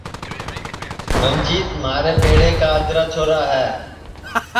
رنجیت مھارے پیڑے کا اجرا چھورا ہے